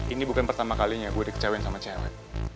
ini bukan pertama kalinya gue dikecewain sama cewek